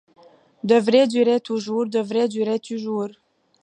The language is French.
Devrait durer toujours ! devrait durer toujours !